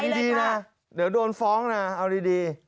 ดีนะเดี๋ยวโดนฟ้องนะเอาดี